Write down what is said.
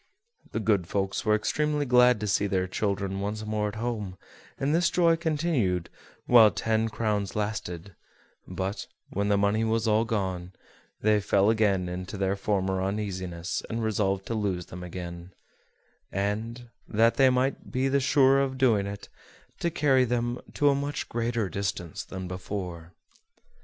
The good folks were extremely glad to see their children once more at home, and this joy continued while the ten crowns lasted; but, when the money was all gone, they fell again into their former uneasiness, and resolved to lose them again; and, that they might be the surer of doing it, to carry them to a much greater distance than before.